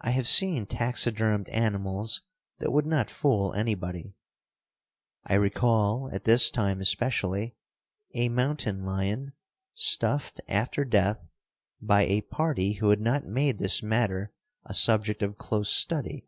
I have seen taxidermed animals that would not fool anybody. I recall, at this time especially, a mountain lion, stuffed after death by a party who had not made this matter a subject of close study.